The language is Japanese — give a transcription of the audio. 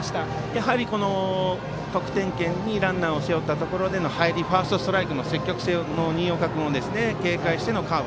やはり、得点圏にランナーを背負ったところでの入りファーストストライクの積極性を警戒してのカーブ。